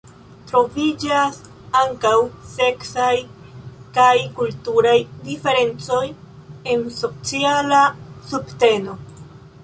Troviĝas ankaŭ seksaj kaj kulturaj diferencoj en sociala subteno.